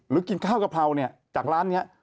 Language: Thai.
กินข้าวกะเพราเนี่ยจากร้านนี้